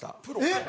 えっ！